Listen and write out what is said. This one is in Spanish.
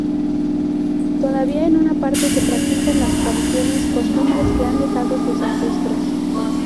Todavía en esta parte se practican las tradiciones, costumbres que han dejado sus ancestros.